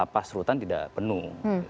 pasurutan tidak penuh